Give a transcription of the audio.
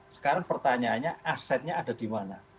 sekarang pertanyaannya asetnya ada di mana